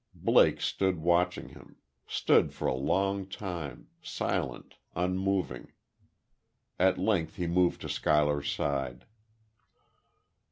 Blake stood watching him stood for a long time, silent, unmoving.... At length he moved to Schuyler's side.